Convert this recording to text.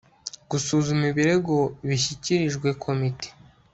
gusuzuma ibirego bishyikirijwe komite